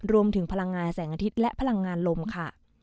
พลังงานแสงอาทิตย์และพลังงานลมค่ะ